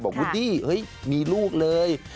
วูดดี้เฮ้ยมีลูกเลย